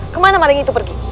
kemana maling itu pergi